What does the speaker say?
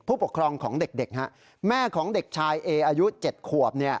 ผู้ปกครองของเด็กแม่ของเด็กชายเออายุ๗ขวบ